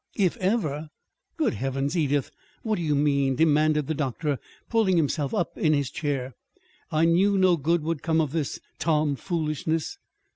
"'If ever'! Good Heavens, Edith, what do you mean?" demanded the doctor, pulling himself up in his chair. "I knew no good would come of this tom foolishness!"